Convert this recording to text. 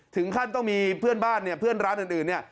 ถึงขั้นต้องมีเพื่อนบ้านเนี่ยเพื่อนร้านอื่นเนี่ย